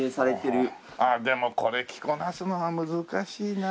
でもこれ着こなすのは難しいなあ。